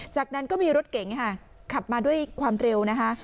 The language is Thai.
จากนั้นก็มีรถเก๋งค่ะขับมาด้วยความเร็วนะคะ